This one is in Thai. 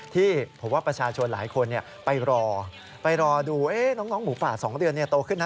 ที่ผมว่าประชาชนหลายคนไปรอไปรอดูน้องหมูป่า๒เดือนโตขึ้นนะ